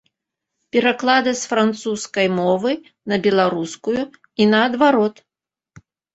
Пераклады з французскай мовы на беларускую і наадварот.